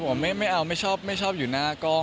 คุณไอซ์จะเป็นเจ้าพ่อ